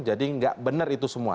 jadi tidak benar itu semua